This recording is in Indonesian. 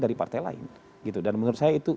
dari partai lain gitu dan menurut saya itu